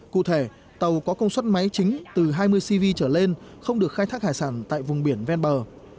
cụ thể tàu có công suất máy chính từ hai mươi cv trở lên không được khai thác hải sản tại vùng biển ven bờ